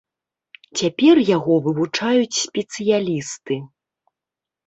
Цяпер яго вывучаюць спецыялісты.